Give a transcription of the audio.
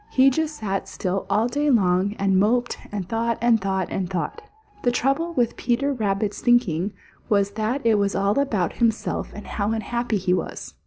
He just sat still all day long and moped and thought and thought and thought. The trouble with Peter Rabbit's thinking was that it was all about himself and how unhappy he was.